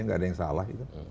nggak ada yang salah